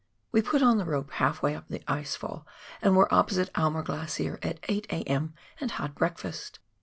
"We put on the rope half way up the ice fall and were opposite Aimer Glacier at 8 a.m., and had breakfast.